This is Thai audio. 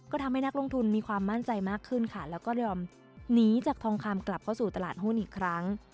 ก็ทำให้นักลงทุนมีความมั่นใจมากขึ้นค่ะแล้วก็ยอมหนีจากทองคำกลับเข้าสู่ตลาดหุ้นอีกครั้ง